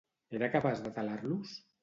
Era capaç de talar-los?